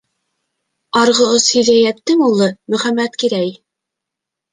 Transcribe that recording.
— Арғы ос Һиҙейәттең улы Мөхәммәткирәй.